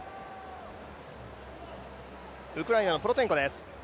ウクライナのプロツェンコです。